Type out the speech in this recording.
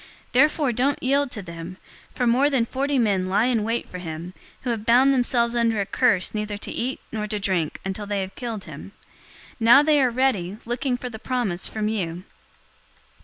023:021 Therefore don't yield to them, for more than forty men lie in wait for him, who have bound themselves under a curse neither to eat nor to drink until they have killed him. Now they are ready, looking for the promise from you."